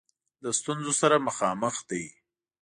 له ستونزه سره مخامخ دی.